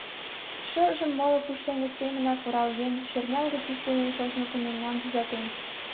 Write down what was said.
Шыжым моло пушеҥге семынак оралген, шӧртнялге тӱс дене шочмо кундемнам тӱзатен.